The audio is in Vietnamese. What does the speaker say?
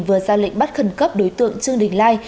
vừa ra lệnh bắt khẩn cấp đối tượng trương đình lai